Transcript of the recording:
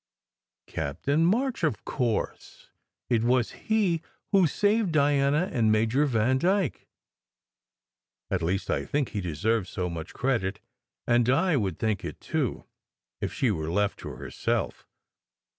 " "Captain March. Of course it was he who saved Diana and Major Vandyke. At least I think he deserves so much credit, and Di would think it, too, if she were left to herself.